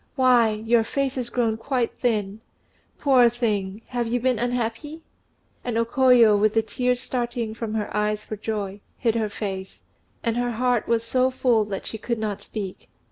Why, your face has grown quite thin. Poor thing! have you been unhappy?" And O Koyo, with the tears starting from her eyes for joy, hid her face; and her heart was so full that she could not speak.